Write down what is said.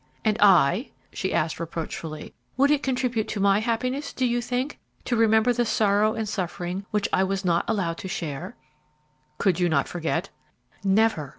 "And I?" she asked, reproachfully. "Would it contribute to my happiness, do you think, to remember the sorrow and suffering which I was not allowed to share?" "Could you not forget?" "Never!"